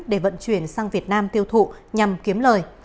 để vận chuyển sang việt nam tiêu thụ nhằm kiếm lời